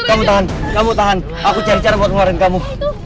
kamu tahan kamu tahan aku cari cara buat ngeluarin kamu